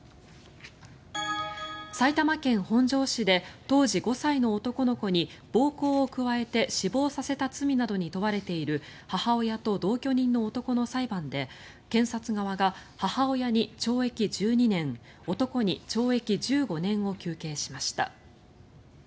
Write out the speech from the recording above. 埼玉県本庄市で当時５歳の男の子に暴行を加えて死亡させた罪などに問われている母親と同居人の男の裁判で検察側が母親に懲役１２年男に懲役１５年を求刑しました。